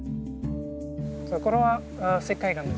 これは石灰岩です。